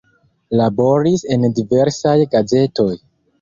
Laboris en diversaj gazetoj.